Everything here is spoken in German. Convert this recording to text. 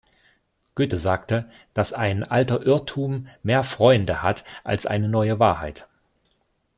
Goethe sagte, dass "ein alter Irrtum mehr Freunde [hat] als eine neue Wahrheit".